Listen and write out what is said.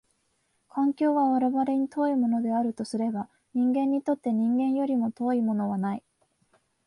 環境は我々に遠いものであるとすれば、人間にとって人間よりも遠いものはない。